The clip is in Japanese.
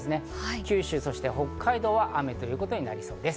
九州、そして北海道は雨ということになりそうです。